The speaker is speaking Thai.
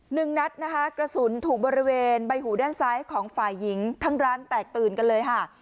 หนึ่งนัดนะคะกระสุนถูกบริเวณใบหูด้านซ้ายของฝ่ายหญิงทั้งร้านแตกตื่นกันเลยค่ะ